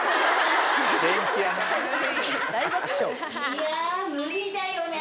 いや無理だよね